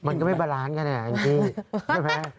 มันก็ไม่บาลานซ์กันอ่ะจริง